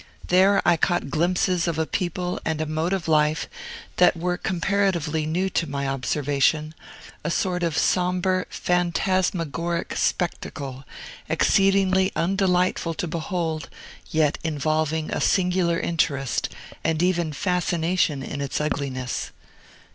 There I caught glimpses of a people and a mode of life that were comparatively new to my observation, a sort of sombre phantasmagoric spectacle, exceedingly undelightful to behold, yet involving a singular interest and even fascination in its ugliness.